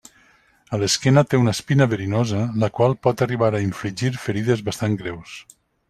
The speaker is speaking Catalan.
A l'esquena té una espina verinosa, la qual pot arribar a infligir ferides bastant greus.